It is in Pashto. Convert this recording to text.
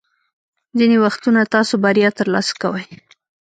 ځینې وختونه تاسو بریا ترلاسه کوئ.